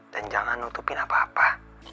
dan jangan nutupin apa apa